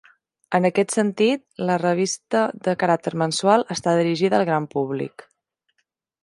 En aquest sentit, la revista, de caràcter mensual, està dirigida al gran públic.